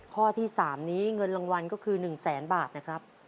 ข้อที่๓นี้เงินรางวัลก็คือ๑แสนบาทนะครับ